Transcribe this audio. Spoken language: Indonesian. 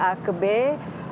atau lebih ke misalnya lokal